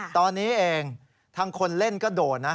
ตอนนี้เองทางคนเล่นก็โดนนะ